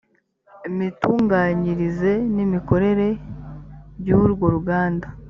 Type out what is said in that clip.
imitunganyirize n’imikorere by’urwo ruganda